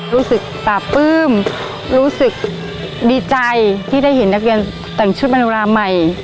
รู้สึกปราบปลื้มรู้สึกดีใจที่ได้เห็นนักเรียนแต่งชุดมโนราใหม่